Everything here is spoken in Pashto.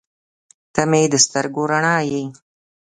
• ته مې د سترګو رڼا یې.